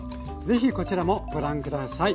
是非こちらもご覧下さい。